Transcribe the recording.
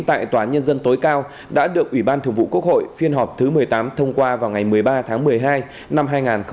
tại tòa nhân dân tối cao đã được ủy ban thường vụ quốc hội phiên họp thứ một mươi tám thông qua vào ngày một mươi ba tháng một mươi hai năm hai nghìn hai mươi ba